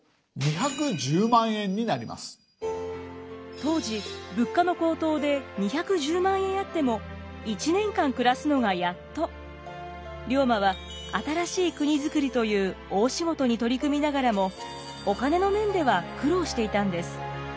当時物価の高騰で２１０万円あっても龍馬は新しい国づくりという大仕事に取り組みながらもお金の面では苦労していたんです。